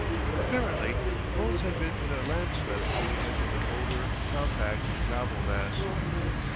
Apparently the bones had been in a land slip on the edge of an older, compact gravel mass.